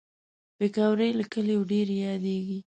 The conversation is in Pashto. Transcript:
پکورې له کلیو ډېر یادېږي